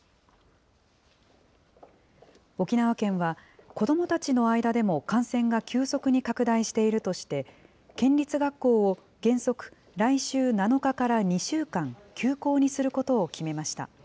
沖縄県は、子どもたちの間でも感染が急速に拡大しているとして、県立学校を原則、来週７日から２週間、休校にすることを決めました。